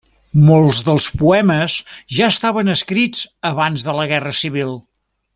Molts dels poemes ja estaven escrits d'abans de la guerra civil.